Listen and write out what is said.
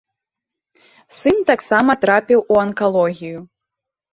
Сын таксама трапіў у анкалогію.